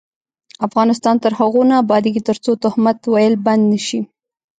افغانستان تر هغو نه ابادیږي، ترڅو تهمت ویل بند نشي.